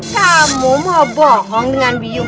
kamu mau bohong dengan bingung